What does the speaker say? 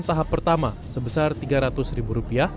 tahap pertama sebesar rp tiga ratus